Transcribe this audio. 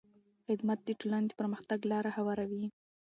خدمت د ټولنې د پرمختګ لاره هواروي.